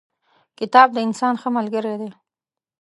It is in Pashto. کتاب د انسان ښه ملګری دی.